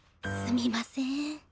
すみません。